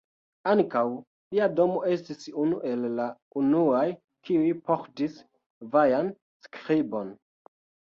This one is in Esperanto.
Ankaŭ, lia domo estis unu el la unuaj kiuj portis vajan skribon.